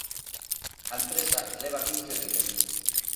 A empresa leva quince días.